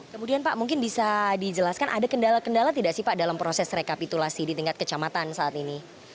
kemudian pak mungkin bisa dijelaskan ada kendala kendala tidak sih pak dalam proses rekapitulasi di tingkat kecamatan saat ini